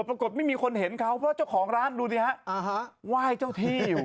ปรากฏไม่มีคนเห็นเขาเพราะเจ้าของร้านดูสิฮะไหว้เจ้าที่อยู่